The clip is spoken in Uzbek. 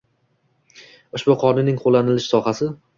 Ushbu Qonunning qo‘llanilish sohasi